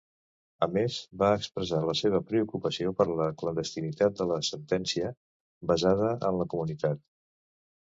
A més, va expressar la seva preocupació per la clandestinitat de la sentència basada en la comunitat.